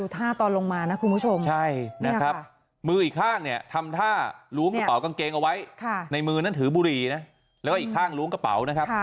กางเกงเอาไว้ในมือนั้นถือบุรีนะแล้วก็อีกข้างล้วงกระเป๋านะครับ